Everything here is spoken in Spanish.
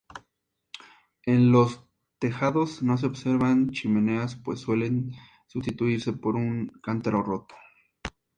En los tejados no se observan chimeneas pues suelen sustituirse por un cántaro roto.